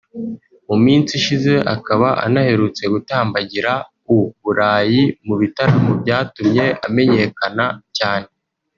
mu minsi ishize akaba anaherutse gutambagira u Burayi mu bitaramo byatumye amenyekana cyane